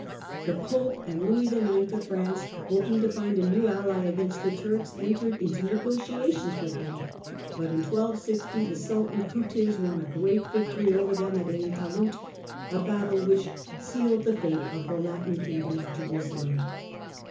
The Pope and Louis IX. of France, hoping to find a new ally against the Turks, entered into negotiations with them, but in 1260 the Sultan Kutuz won a great victory over them at Ain Talut, a battle which sealed the fate of the Latin kingdom of Jerusalem.